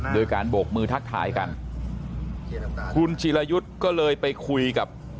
โดยการโบกมือทักทายกันคุณจิรายุทธ์ก็เลยไปคุยกับ